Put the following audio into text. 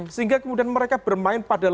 sehingga kemudian mereka bermain pada